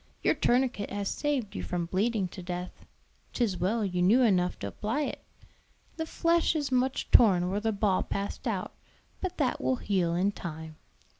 Your tourniquet has saved you from bleeding to death. 'Tis well you knew enough to apply it. The flesh is much torn where the ball passed out; but that will heal in time."